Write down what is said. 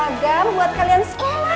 bawa seragam buat kalian sekolah